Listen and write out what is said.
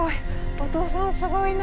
おとうさんすごいな。